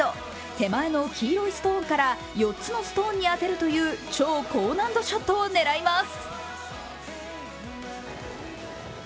手前の黄色いストーンから４つのストーンに当てるという超高難度ショットを狙います。